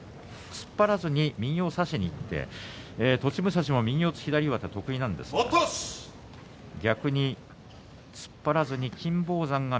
突っ張らずに右を差しにいって栃武蔵も右四つ左上手得意なんですが逆に突っ張らずに金峰山が